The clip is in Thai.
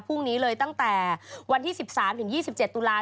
พรุ่งนี้เลยตั้งแต่วันที่๑๓๒๗ตุลาค